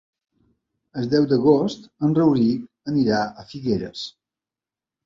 El deu d'agost en Rauric anirà a Figueres.